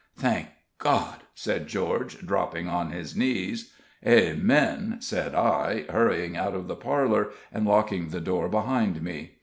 "Thank God!" said George, dropping on his knees. "Amen!" said I, hurrying out of the parlor and locking the door behind me.